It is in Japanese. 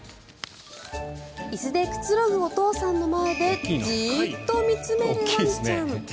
椅子でくつろぐお父さんの前でじーっと見つめるワンちゃん。